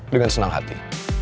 dengan senang hati